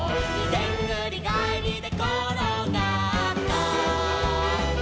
「でんぐりがえりでころがった」